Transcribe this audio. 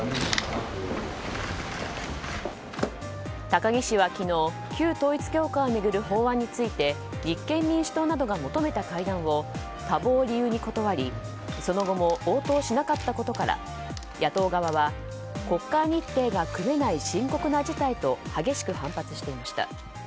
高木氏は昨日旧統一教会を巡る法案について立憲民主党などが求めた会談を多忙を理由に断りその後も応答しなかったことから野党側は、国会日程が組めない深刻な事態と激しく反発していました。